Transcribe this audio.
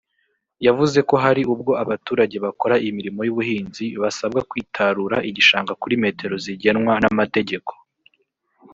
yavuze ko hari ubwo abaturage bakora imirimo y’ubuhinzi basabwa kwitarura igishanga kuri metero zigenwa n’amategeko